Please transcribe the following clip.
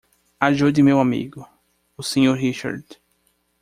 Ajude meu amigo, o Sr. Richard.